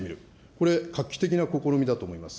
これ、画期的な試みだと思います。